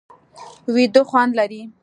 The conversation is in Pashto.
ویده خوند لري